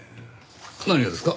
何がですか？